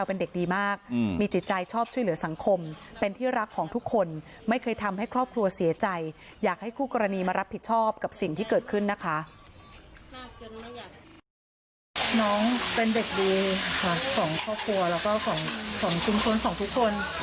เขาอาจจะตกใจแต่ถ้าเขากลับตัวกลับใจมาสอบความขอโทษ